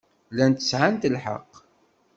Llant sɛant lḥeqq.